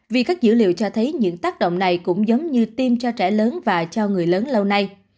vì các dữ liệu cho thấy những tác động này cũng giống như tim cho trẻ lớn và cho người lớn lâu nay